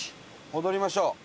戻りましょう。